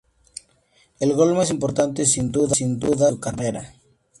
El gol más importante sin dudas de su carrera.